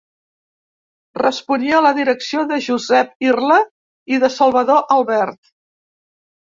Responia a la direcció de Josep Irla i de Salvador Albert.